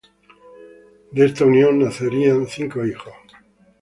De esta unión nacerían cinco hijos.